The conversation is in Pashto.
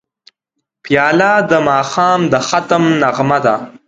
پیاله د ماښام د ختم نغمه ده.